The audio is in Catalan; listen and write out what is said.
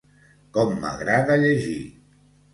Com m'agrada llegir!